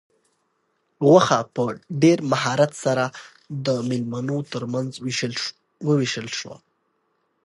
غوښه په ډېر مهارت سره د مېلمنو تر منځ وویشل شوه.